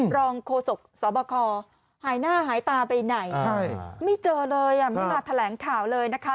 รองโฆษกสบคหายหน้าหายตาไปไหนไม่เจอเลยไม่มาแถลงข่าวเลยนะคะ